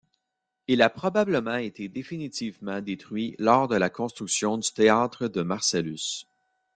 Il a probablement été définitivement détruit lors de la construction du théâtre de Marcellus.